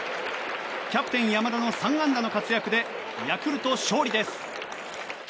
キャプテン山田の３安打の活躍でヤクルト、勝利です。